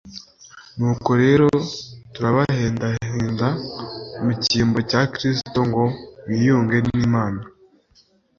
Nuko rero turabahendahenda mu cyimbo cya Kristo ngo mwiyunge n'Imana.